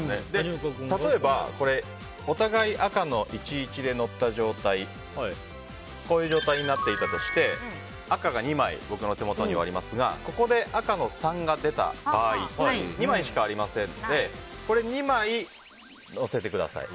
例えば、お互い赤の１、１で載った状態になっていたとして赤が２枚、僕の手元にありますがここで赤の３が出た場合２枚しかありませんので２枚載せてください。